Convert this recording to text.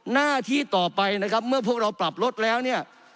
หน้าที่ต่อไปนะครับเมื่อพวกเราปรับลดแล้วเนี่ย